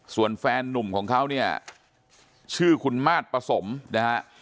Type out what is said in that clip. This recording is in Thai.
ส่วนแฟนนุ่มของเขาเนี่ยชื่อคุณมาสประสมนะฮะ